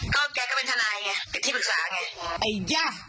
ก็ไม่รู้ว่าฟ้าจะระแวงพอพานหรือเปล่า